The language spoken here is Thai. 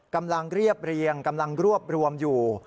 เรียบเรียงกำลังรวบรวมอยู่